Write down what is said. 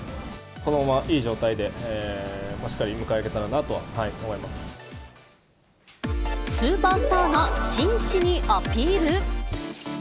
このままいい状態で、しっかりスーパースターが真摯にアピ